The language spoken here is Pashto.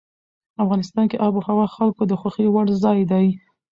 افغانستان کې آب وهوا د خلکو د خوښې وړ ځای دی.